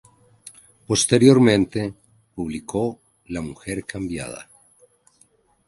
Posteriormente, publicó "La mujer cambiada".